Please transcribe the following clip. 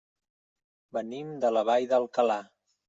Venim de la Vall d'Alcalà.